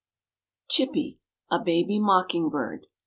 CHIPPY A BABY MOCKING BIRD.